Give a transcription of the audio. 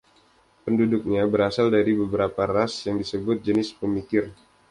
Penduduknya berasal dari beberapa ras, yang disebut “Jenis Pemikir”.